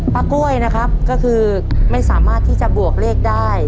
กล้วยนะครับก็คือไม่สามารถที่จะบวกเลขได้